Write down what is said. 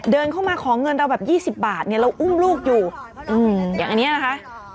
เดินเข้ามาขอเงินเราแบบ๒๐บาทเนี่ยเราอุ้มลูกอยู่อย่างอันนี้นะคะ